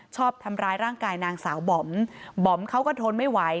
ชอบทำร้ายร่างกายนางสาวบอมบอมเขาก็ทนไม่ไหว